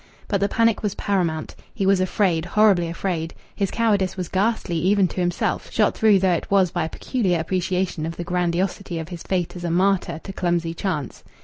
But the panic was paramount. He was afraid, horribly afraid. His cowardice was ghastly, even to himself, shot through though it was by a peculiar appreciation of the grandiosity of his fate as a martyr to clumsy chance.